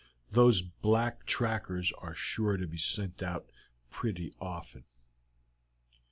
Those black trackers are sure to be sent out pretty often."